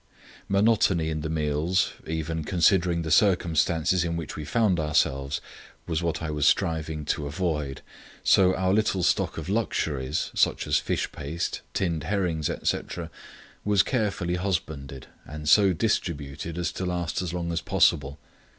Monotony in the meals, even considering the circumstances in which we found ourselves, was what I was striving to avoid, so our little stock of luxuries, such as fish paste, tinned herrings, etc., was carefully husbanded and so distributed as to last as long as possible.